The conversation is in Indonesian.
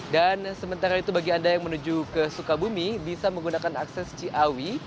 dan sementara itu bagi anda yang menuju ke sukabumi bisa menggunakan akses ciawi